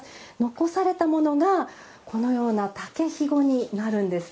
残されたものがこのような竹ひごになるんですね。